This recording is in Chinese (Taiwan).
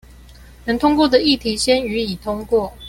能通過的議題先予以通過